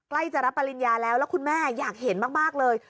ใกล้จะรับปริญญาแล้วแล้วคุณแม่อยากเห็นมากเลย